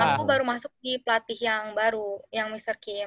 aku baru masuk di pelatih yang baru yang mr kim